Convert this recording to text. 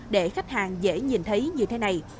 để khách hàng dễ nhìn thấy như thế này